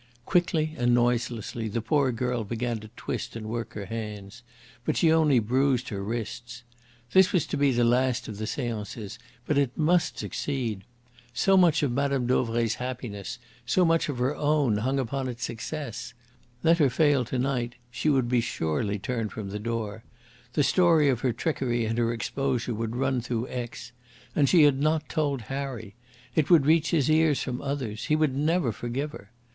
Quickly and noiselessly the poor girl began to twist and work her hands. But she only bruised her wrists. This was to be the last of the seances. But it must succeed! So much of Mme. Dauvray's happiness, so much of her own, hung upon its success. Let her fail to night, she would be surely turned from the door. The story of her trickery and her exposure would run through Aix. And she had not told Harry! It would reach his ears from others. He would never forgive her.